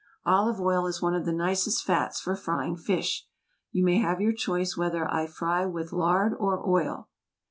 Olive oil is one of the nicest fats for frying fish. You may have your choice whether I fry with lard or oil.